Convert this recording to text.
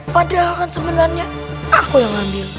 padahal kan sebenarnya aku yang ngambil